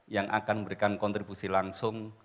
yang akan memberikan kontribusi langsung